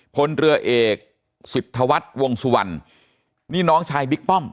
พลเรือเอกสิทธวัฒน์วงสุวรรณนี่น้องชายบิ๊กป้อม